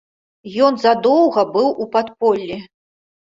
Ён задоўга быў у падполлі.